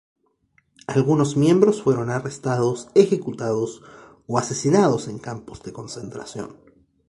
Algunos miembros fueron arrestados, ejecutados o asesinados en campos de concentración.